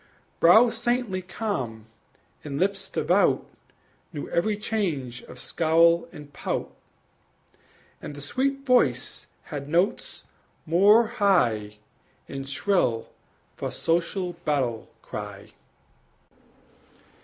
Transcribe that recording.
Brows saintly calm and lips devout Knew every change of scowl and pout; And the sweet voice had notes more high And shrill for social battle cry.